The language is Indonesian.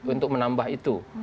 untuk menambah itu